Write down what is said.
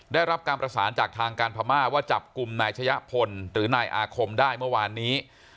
ได้รับการประสานจากทางการพม่าว่าจับกลุ่มนายชะยะพลหรือนายอาคมได้เมื่อวานนี้